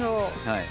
はい。